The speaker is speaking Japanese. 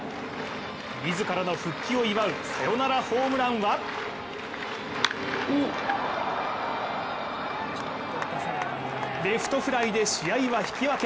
自らの復帰を祝うサヨナラホームランはレフトフライで試合は引き分け。